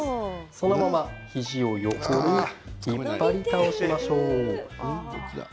そのまま肘を横に引っ張り倒しましょう。